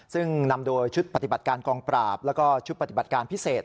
ซึ่งนำโดยชุดปฏิบัติการกองปราบแล้วก็ชุดปฏิบัติการพิเศษ